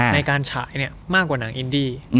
ในการฉายเนี่ยมากกว่าหนังอินดี